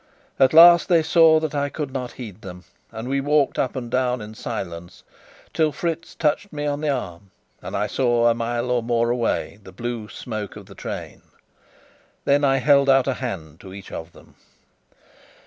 At last they saw that I could not heed them, and we walked up and down in silence, till Fritz touched me on the arm, and I saw, a mile or more away, the blue smoke of the train. Then I held out a hand to each of them.